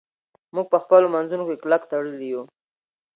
موږ په خپلو منځونو کې کلک تړلي یو.